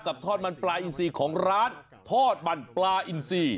กับทอดมันปลาอินทรีย์ของร้านทอดมันปลาอินทรีย์